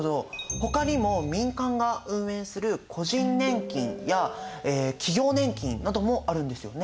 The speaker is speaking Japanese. ほかにも民間が運営する個人年金や企業年金などもあるんですよね。